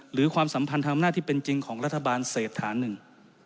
ความสัมพันธ์ทางอำนาจที่เป็นจริงของรัฐบาลเศรษฐานหนึ่ง